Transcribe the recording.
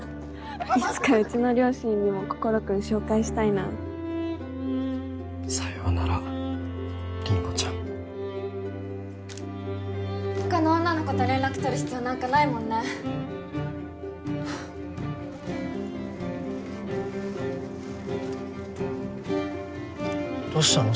いつかうちの両親にも心君紹介したいなさようならりんごちゃん他の女の子と連絡取る必要なんかないもんねどうしたの？